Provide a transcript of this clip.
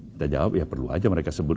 kita jawab ya perlu aja mereka sebut